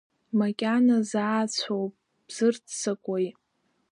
Макьана заацәоуп, бзырццакуеи?